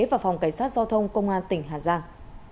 và phòng cảnh sát giao thông công an tỉnh hà giang